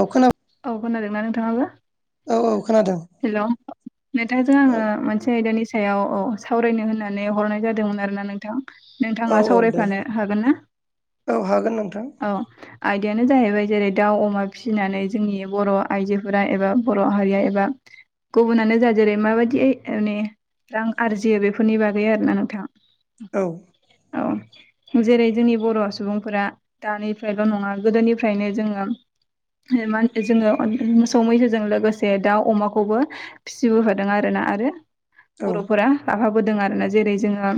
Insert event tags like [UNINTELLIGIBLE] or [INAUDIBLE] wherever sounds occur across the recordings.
अ खोना औ खोनादोंना नोंथाङाबो? औ औ खोनादों हेल' नोंथांजों औ आङो मोनसे आयदानि सायाव सावरायनो होननानै हरनाय जादोंमोन आरोना नोंथां। औ नोंथाङा औ दे सावरायफानो हागोन ना औ हागोन नोंथां [INAUDIBLE] औ। आयदायानो जाहैबाय जेरै दाउ अमा फिनानै जोंनि बर' आइजोफोरा एबा बर' हारिया एबा गुबुनानो जा जेरै माबायदि माने रां आरजियो बेफोरनि बागै आरोना नोंथां। औ औ जेरै जोंनि बर' सुबुंफोरा दानिफ्रायल' नङा गोदोनिफ्रायनो जोङो मा जोङो मोसौ मैसोजों लोगोसे दाउ अमाखौबो फिसिबोफादों आरोना आरो औ बर'फोरा लाफाबोदों आरोना जेरै जोङो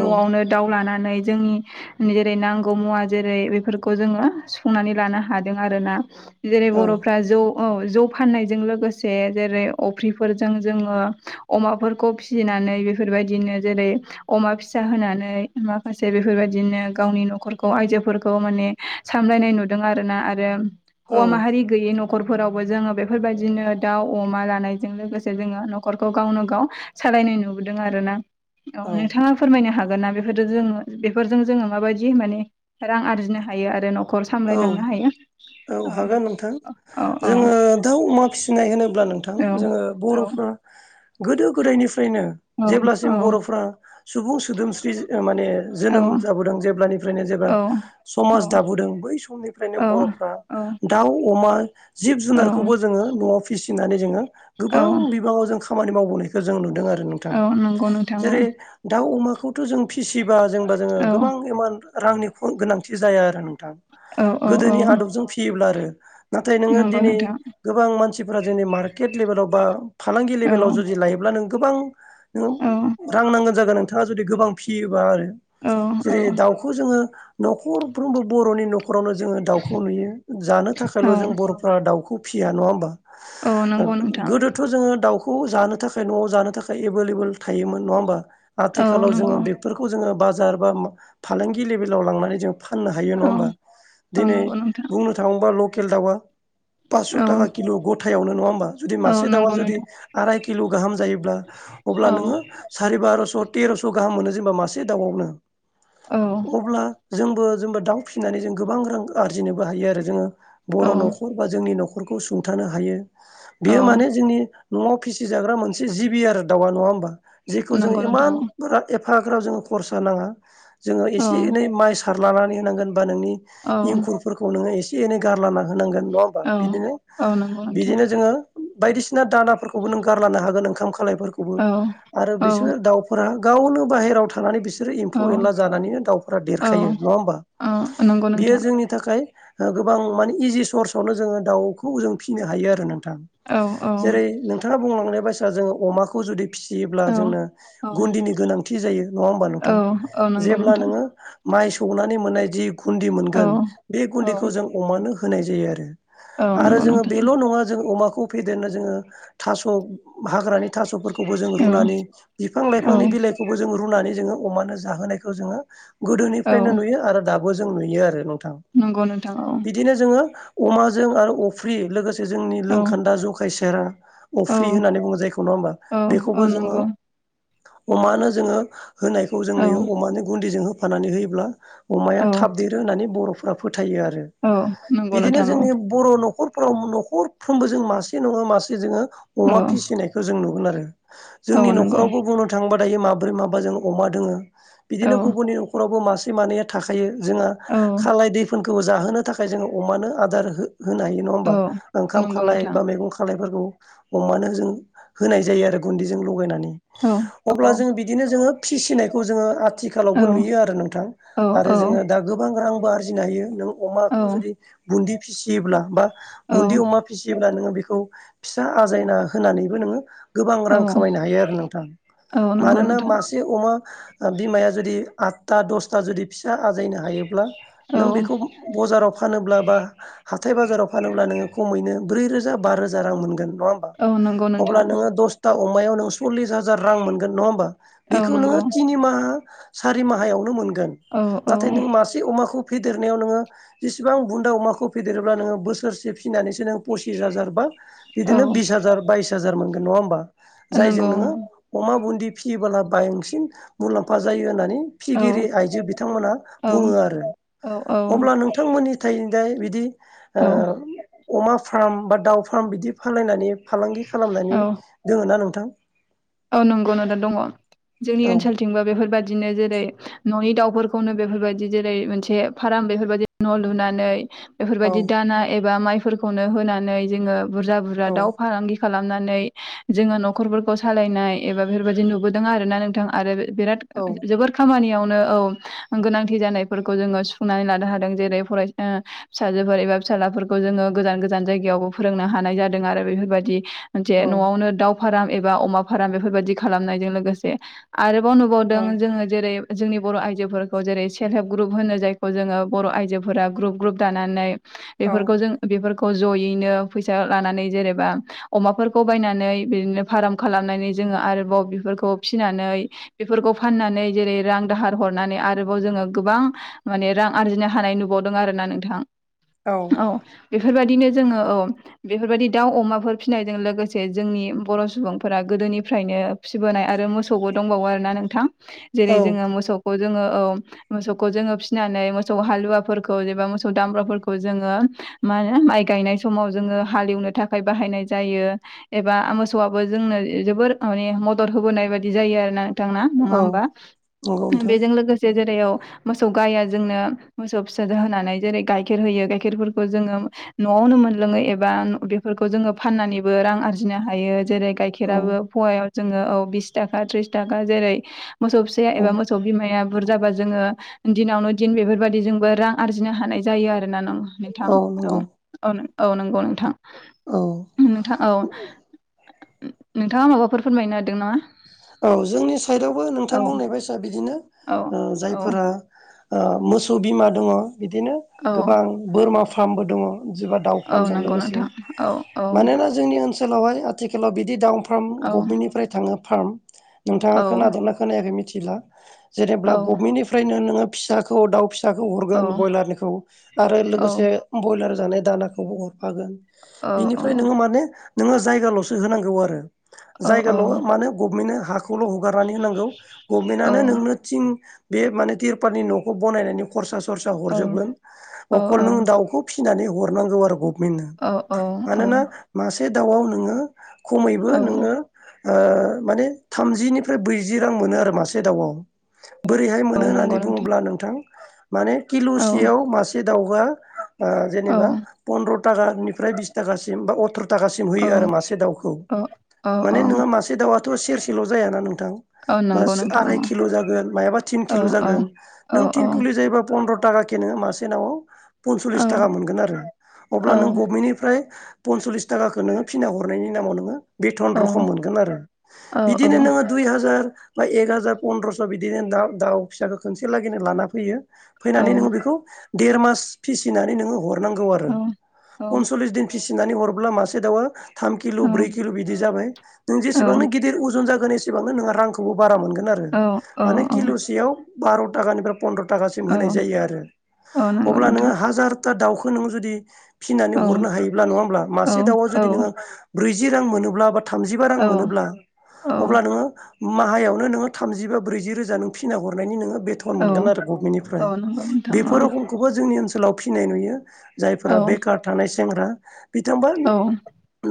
औ दाउ लानानै जोंनि जेरै नांगौ मुवा जेरै बेफोरखौ जोङो सुफुंनानै लानो हादों आरोना जेरै बर'फ्रा जौ औ जौ फाननायजों लोगोसे जेरै अफ्रिफोरजों जोङो अमाफोरखौ फि फिसिनानै बेफोरबायदिनो जेरै अमा फिसा होनानै माखासे बेफोरबायदिनो गावनि न'खरखौ आयजोफोरखौ माने सामलायनाय नुदों आरोना आरो औ हौवा माहारि गैयै नखरफोरावबो जोङो बेफोरबायदिनो दाउ अमा लानायजों लोगोसे जोङो न'खरखौ गावनो गाव सालायनाय नुबोदों आरोना औ नोंथाङा फोरमायनो हागोन ना बेफोर जो बेफोरजों जोङो माबायदि माने रां आरजिनो हायो आरो न' खर सामलायनांनो हायो औ हागोन नोंथां औ औ जोङो दाउ अमा फि सिनाय होनोब्ला नोंथां औ जोङो औ बर'फ्रा गोदो गोदायनिफ्रायनो औ जेब्लासिम औ बर'फ्रा सुबुं सोदोमस्रि माने औ जोनोम जाबोदों जेब्लानिफ्रायनो जेब्ला औ समाज दाबोदों बै समनिफ्रायनो बर'फ्रा दाउ अमा जिब औ जुनारखौबो जोङो न'आव फिसिनानै जोङो औ गोबां बिबाङाव जों खामानि मावबोनाय जों नुदों आरो नोंथां औ नंगौ नोंथां औ जेरै दाउ अमाखौ थ' जों फिसिबा जेनेबा जोङो गोबां इमान रांनि गोनांथि जाया आरो नोंथां। औ औ औ गोदोनि आदबजों फियोब्ला आरो नाथाय नोङो नंगौ दिनै नोंथां गोबां मानसिफ्रा जोंनि मार्केट लेभेलाव बा फालांगि औ लेभेलाव जुदि लायोब्ला नों गोबां नों औ रां नांगोन जागोन नोंथाङा जुदि गोबां फियोबा आरो औ औ जेरै दाउखौ जोङो न'खरफ्रोमबो बर'नि न' न'खरावनो जोङो दाउखौ नुयो जानो थाखायल' जों बर'फ्रा दाउखौ फिया नङा होमबा औ नंगौ नोंथां गोदोथ' जोङो दाउ खौ जानो थाखाय न'आव जानो थाखाय एभलेबल थायोमोन नङा होमबा औ आथिखालाव जोङो नंगौ बे बेफोरखौ जोङो बाजार बा फालांगि लेभेलाव लांनानै जोङो फाननो हायो औ नङा होमबा? औ दिनै नंगौ नोंथां बुंनो थाङोबा लकेल दाउआ पास्स' औ थाखा किल' गथायावनो नङा होमबा जुदि औ मासे दाउआ नंगौ जुदि नोंथां आराय किल' गाहाम जायोब्ला अब्ला औ नोङो सारि बार'स' तेर'स' गाहाम मोनो जेनेबा मासे दाउआवनो। औ। अब्ला जोंबो जोंबो दाउ फिसिनानै जों गोबां रां आरजिनोबो हायो आरो जोङो औ बर' न'खर बा जोंनि न'खरखौ सुंथानो हायो औ बेयो माने जोंनि न'आव फिसिजाग्रा मोनसे जिबि आरो दाउआ नङा होमबा जेखौ जोंङो नंगौ इमान नोंथां बारा एफाग्राब जोङो खरसा नाङा जोङो औ एसे एनै माइ सारलानानै होनांगोन बा नोंनि औ इंखुरफोरखौ नोङो एसे एनै गारला होनांगोन नङा होमबा औ बिदिनो औ नंगौ नोंथां बिदिनो जोङो बायदिसिना दाना फोरखौबो नों गारलानो हागोन ओंखाम खालायफोरखौबो औ आरो औ बिसोरो दाउ फोरा गावनो बाहेरायाव थानानै बिसोरो औ एम्फौ-एनला जानानैनो दाउफोरा औ देरखायो नङा होमबा? औ नंगौ। बेयो नोंथां जोंनि थाखाय ओ गोबां माने इजि सर्स आवनो जोङो दाउखौ जों फिनो हायो आरो नोंथां। औ औ जेरै नोंथाङा बुंलांनाय बायसा जोङो अमाखौ जुदि फिसियोब्ला औ जोंनो औ गुन्दिनि गोनांथि जायो नङा होमबा औ नोंथां? औ नंगौ जेब्ला नोंथां नोङो माइ सौनानै मोननाय जि गुन्दि औ मोनगोन बे औ गुन्दिखौ जों अमानो होनाय जायो आरो। औ आरो नंगौ जोङो नोंथां बेल' नंङा जों अमाखौ फेदेरनो जोङो थास' हाग्रानि थास'फोरखौबो जों औ रुनानै बिफां लाइफांनि औ बिलाइ खौबो जों रुनानै जोङो अमानो जाहोनायखौ जोङो औ गोदोनिफ्रायनो नुयो आरो खौबो जों नुयो आरो नोंथां। नंगौ नोंथां औ। बिदिनो जोङो अमाजों आरो अफ्रि लोगोसे जोंनि औ लोंखोन्दा जखाय सेरा औ अफ्रि होननानै बुंङो जायखौ नंङा होमबा औ औ बेखौबो जोङो नंगौ अमानो जोङो होनायखौ जों औ नुयो अमानो गुन्दिजों हो फानानै होयोब्ला अमाया औ थाब देरो होननानै बर'फोरा फोथायो आरो। औ नंगौ बिदिनो नोंथां जोंनि बर' न'खरफ्राव न'खरफ्रोमबो जों मासे नंङा मासे जोङो औ अमा फिसिनायखौ जों नुगोन आरो औ जोंनि औ नंगौ न'खरावबो बुंनो थांबा दायो माब्रै माबा जों अमा दोङो औ बिदिनो गुबुननि न'रावबो मासे मानैया थाखा खायो जोंहा औ खालाय दैफोनखौबो जाहोनो थाखाय जोङो अमानो आदार हो-होनो हानायो। नंङा होमबा औ ओंखाम नंगौ खालाय नोंथां औ बा मैगं खालायफोरखौ। अमानो जों होनाय जायो आरो गुन्दैजों लगायनानै। औ अब्ला जों बिदिनो जोङो फिसिनायखौ जोङो आथिखालावबो नुयो आरो नोंथां आरो औ जोङो दा गोबां रांबो आरजिनो हायो नों अमाखौ जुदि बुन्दि फिसियोब्ला बा बुन्दि अमा फिसियोब्ला नोङो बेखौ फिसा आजायना होनानैबो नोङो गोबां औ रां खामायनो हायो आरो नोंथां औ नंगौ मानोना नोंथां मास जे अमा बिमाया जुदि आठथा दसथा जुदि फिसा आजायनो हायोब्ला औ नों बेखौ बजाराव फानोब्ला बा हाथाय-बाजाराव फानोब्ला नोङो खमैनो ब्रै रोजा बा रोजा रां मोनगोन नंङा होमबा औ नंगौ अब्ला नोंथां नोङो दस था अमायाव नों सरल्लिस हाजार रां मोनगोन नंङा होमबा औ बेखौ नोङो नंगौ तिनि माहा सारि माहायावनो मोनगोन औ औ नाथाय नों मासे अमाखौ फेदेरनायाव नोङो जेसेबां बुन्दा अमाखौ फेदेरोब्ला नोङो बोसोरसे फिनानैसो नोंङो पसिस हाजार बा औ बिदिनो बिस हाजार बाइस हाजार मोनगोन नंङा होमबा जायजों नंगौ नोङो अमा बुन्दि फियोबोला बांसिन मुलाम्फा जायो होननानै औ फिगिरि आयजो बिथांमोना औ बुंङो आरो औ औ अब्ला नोंथांमोननि थाय दा बिदि औ ओ अमा फार्म बा दाउ फार्म बिदि फालायनानै फालांगि खालामनानै औ दोङो ना नोंथां? औ नंगौ नोंथां दंङ जोंनि औ ओनसोलथिंबो बेफोरबा बिदिनो जेरै न'नि दाउफोरखौनो बेफोरबायदि जेरै मोनसे फार्म बेफोरबायदि न' लुनानै औ बेफोरबायदि दाना एबा माइफोरखौनो होनानै जोङो बुरजा बुरजा औ दाउ फालांगि खालामनानै जोङो न'खरफोरखौ सालायनाय एबा बेफोरबायदि नुबोदों आरो ना नोंथां आरो बिराद औ जोबोर खामानियावनो औ गोनांथि जानायफोरखौ जोङो सुफुंनानै लानो हादों जेरै फरायसा फिसाजोफोर एबा फिसााजलाफोरखौ जोङो गोजान गोजान जायगायावबो फोरोंनो हानाय जादों आरो बेफोरबायाददि मोनसे औ न'आवनो दाव फाराम एबा अमा फाराम बेफोरबायदि खालामनायजों लोगोसे आरोबाव नुबावदों औ जोङो जेरै जोंनि बर' आइजोफोरखौ जेरै सेल्फ हेल्प ग्रुप होनो जायखौ जोङो बर' आइजोफोरा ग्रुप ग्रुप दानानै औ बेफोरखौ जों बेफोरखौ जयैनो फैसा लानानै जेनेबा अमाफोरखौ बायनानै बिदिनो फार्म खालामनानै जोङो आरोबाव बेफोरखौ फिनानै बेफोरखौ फाननानै जेरै रां दाहार हरनानै आरोबाव जोङो गोबां माने रां आरजिनो हानाय नुबावदों आरो ना नोंथां औ बेफोरबायदिनो जोङो औ बेफोरबायदि दाउ, अमाफोर फिसिनायजों लोगोसे जोंनि बर' सुबुं फोर गोदोनिफ्रायनो फिबोनाय आरो मोसौबो दंबावो आरोना नोंथां औ जेरै जोङो मोसौ खौ जोङो औ मोसौखौ जोङो फिसिनानै मोसौ हालुवाफोरखौ एबा मोसौ दामब्राफोरखौ जोङो मा होनो माइ गायनाय समाव जोङो हालेवनो थाखाय बाहायनाय जायो एबा मोसौआबो जोंनो जोबोर माने मदद होबोनाय बायदि जायो आरोना थांना नङा औ होमबा नंगौ नोंथां बेजों लोगोसे जेरयाव मोसौ गाया जोंनो मोसौ फिसा जाहोनानै जेरै गाइखेर होयो गाइखेरफोरखौ जोङो न'आवनो मोनलोङो एबा बेफोरखौ जोङो फाननानैबो रां आरजिनो हायो जेरै औ गाइेराबो फव जोङो औ बिस थाखा थिस थाखा जेरै मोसौ फि औ एबा मो सौ बिमाया बुरजाबा जोङो दिनावनो दिन बेफोरबाददिजोंबो रां आरजिनो हानाय जायो आरो ना नङो नोंथां औ औ औ नंगौ नोंथां औ उ नोंथां औ नोंथाङा माबाफोर फोरमायनो नागिरदों नामा? औ जोंनि साइदआवबो औ नोंथां बुंनाय बायसा बिदिनो औ ओ औ जायफोरा ओ मोसौ बिमा दङ बिदिनो औ गोबां बोरमा फार्मबो दङ एबा दाउ औ फार्मजों नंगौ लोगोसे नोंथां औ औ मानोना जोंनि ओनसोलावहाय आथिखालाव बिदि दाउ फार्म औ गभमेन्टनिफ्राय थाङो फार्म नोंथाङा औ खोनादोंना खोनायाखै मिथिला जेनेब्ला गभमेन्टनिफ्रायनो नोङो फिसाखौ दउ फिसा फिसाखौ हरगोन ब्रयलारनिखौ आरो लोगोसे बयलार जानाय दानाखौबो हरफागोन बिनिफ्राय नोङो माने नोङो जायगाल'सो होनांगौ आरो जायगाल' माने गभमेन्टनो हाखौल' हगारनानै होनांगौ गभमेन्टआनो नोंनो थिं बे माने तिरपालनि न'खौ बानायनायनि खरसा सरसा हरजोबगोन अकल नों दाउखौ फिसिनानै हरनांगौ आरो गभ बेनो मानोना मासे दाउआव नोङो खमैबो नोङो ओ माने थामजिनिफ्राय ब्रैजि रां मोनो आरो मासे दाउआव बोरैहाय मोनो होननानै बुङोब्ला नोंथां माने औ किल'सेयाव मासे दाउवा ओ औ जेनेबा पन्द्र थाखाम बिसिम बा अथ्र'थाखासिम औ होयो आरो मासे दाउखौ औ औ माने मासे दावउथ' सेरसेल' जायाना नोंथां औ नंगौ मासे नोंथां आराय औ किल' जागोन मायाबा थिन किल' जागोन नों औ थिन किुलि जायोबा फन्द्र'था केनो मासे नाव फनसलिस थाखा मोनगोन आरो अब्लानों गभमेनिफ्राय पनस'लिस थाखाखौ नोङो फिना हरनायनि नामाव नोङो बेथन रखम मोनगोन आरो बिदिनो नोङो दुइ हाजार बा एक हाजार फनन्द्रस' बिदिनो दा दाउ फिसाखौ खनसे लागैनो लाना फैयो फैनानै नोङो बेखौ देर मास फिसिनानै नोङो हर नांगौ आरो पनसलिस दिन फिसिनानै हरब्ला मासे दावो थाम किल' ब्रै किल' बिदि जाबाय नों जे गिदिर अजन जागोन एसेबांनो नोंहा रांखौबो बारा मोनगोन आरो औ माने औ किल'सेयाव बार' थाखानिफ्राय फन्द्र' थाखासिम औ होनाय जायो आरो औ नंगौ अब्ला नोङो नोंथां औ हाजार था दाउखौ नोङो जुदि औ फिनानै हरनो हायोब्ला नङा होमब्ला मासे दाउआ जुदि औ नोङो ब्रैजि रां मोनोब्ला बा थामजिबा रां औ मोनोब्ला औ अब्ला नोङो माहायाव नोङो थामजिबा ब्रैजि रोजा नों फिना हरनायनि नोङो बेट न मोनगोन आरो गभमेन्टनिफ्राय औ नंगौ नोंथां बेफोराव खौबो जोंनि ओनसोलाव फिनाय नुयो जायफोरा औ बेखार थानाय सेंग्रा बिथांबा औ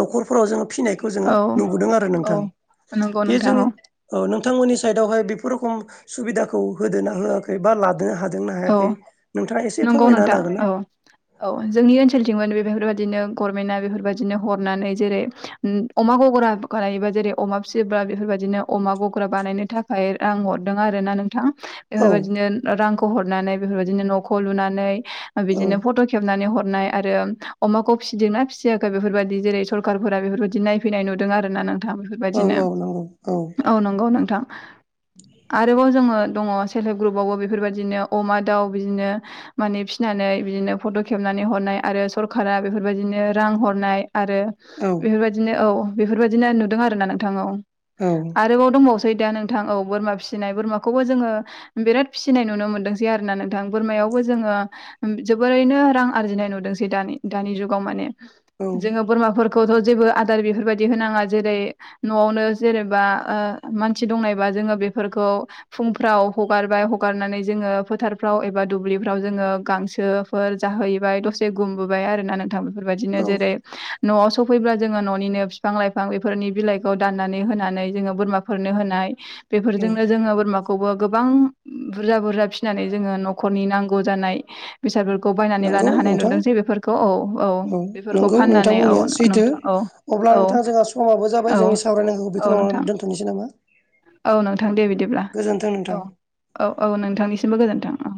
न'खरफोराव जोङो फिनायखौ जोङो औ नुबोदों आरो औ नोंथां नंगौ बे नोंथां जोंनि औ औ नोंथांमोननि साइदावहाय बेफोर रोखम सुबिदाखौ होदा होआखै बा लादो हाग ना औ हायाखै नोंथाङा एसे फोरमायना हागोनना आ [UNINTELLIGIBLE] औ जोंनि ओनसोलथिंमोन बे बेफोरबायदिनो गभनमेन्टआ बेफोरबायदिनो हरनानै जेरै ओम अमा गग्रा बानायोबा जेरै अमा फिसिबा बेफोरबायदिनो अमा गग्रा बानायनो थाखाय ओमफ्राय आं हरदों आरो ना नोंथां होनो बेफोरबायदिनो रांखौ हरनानै बेफोरबायदिनो न'खौ लुनानै बिदिनो फट' खेबनानै हरनाय आरो अमाखौ फिसिदोंना फिसियाखै बेफोरबायदि जेरै सरखारफोरा बेफोरबायदि नायफैनाय नुदों आरोना नों नोंथां बेफोरबायदिनो हागोन ना औ नंगौ नोंथां आरोबाव जोङो दङ सेल्प हेल्प ग्रुपआवबो बेफोरबायदिनो अमा दाउ बिदिनो माने फिनानै बिदिनो फट' खेबनानै हरनाय आरो सरखारा बेफोरबायदिनो रां हरनाय आरो बेफोरबायदिनो औ बेफोरबायदिनो नुदों आरोना नोंथां औ आरोबाव दंबावसो दा नोंथां औ बोरमा फिसिनाय बोरमाखौबो जों बिराद फिनाय नु नुनो मोनदोंसै आरोना नोंथां बोरमायावबो जोङो जोबोरैनो रां आरजिनाय नुदोंसै दानि दानि जुगाव माने जोङो बोरमाफोरखौथ' जेबो आदार बेफोरबायदि होनाङा जेरै न'आवनो जेनेबा ओ मानसि दंनायबा जोङो बेफोरखौ फुंफ्राव हगारबाय हगारनानै जोङो फोथारफ्राव एबा दुब्लिफ्राव जोङो गांसोफोर जाहैबाय दसे गुमबोबाय आरो ना नोंथांमोन बेफोरबायदिनो औ नंगौ औ जेरै न'आव सफैब्ला जोङो न'निनो बिफां लाइफां बेफोरनि बिलाइखौ दाननानै होनानै जोङो बोरमाफोरनो होनाय औ बेफोरजोंनो जोङो बोरमाखौबो गोबां बु बुरजा बुरजा फिसिनानै जोङो न'खरनि नांगौ जानाय बेसादफोरखौ बायनानै नंगौ लानो हानाय नोंथां नुदोंसे बेफोरखौ औ औ बेफोरखौ नंगौ फाननानै औ नोंथांमोननिया सैथो नोंथां औ अब्ला औ नोंथां जोंहा समाबो औ जाबाय जोंनि सावरायनांगौखौ औ बेखिनियावनो नोंथां दोनथ'नोसै नामा औ नोंथां दे बिदिब्ला गोजोन्थों औ नोंथां औ औ नोंथांनिसिमबो गोजोन्थों औ